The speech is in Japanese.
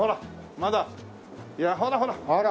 まだいやほらほら。